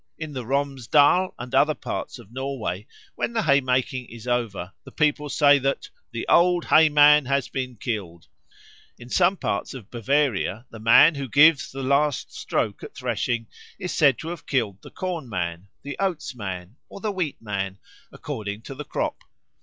In the Romsdal and other parts of Norway, when the haymaking is over, the people say that "the Old Hay man has been killed." In some parts of Bavaria the man who gives the last stroke at threshing is said to have killed the Corn man, the Oats man, or the Wheat man, according to the crop.